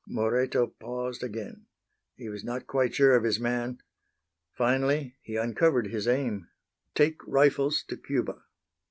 Moreto paused again. He was not quite sure of his man. Finally he uncovered his aim: "Take rifles to Cuba."